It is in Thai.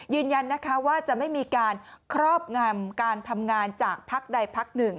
ยืนยันนะคะว่าจะไม่มีการครอบงำการทำงานจากพักใดพักหนึ่ง